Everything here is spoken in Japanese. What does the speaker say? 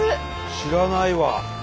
知らないわ。